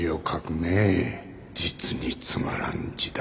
実につまらん字だ